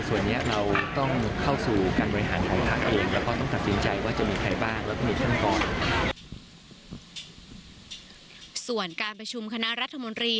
ส่วนการประชุมคณะรัฐมนตรี